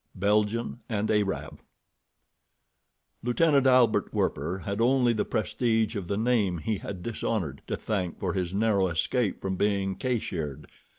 Belgian and Arab Lieutenant Albert Werper had only the prestige of the name he had dishonored to thank for his narrow escape from being cashiered.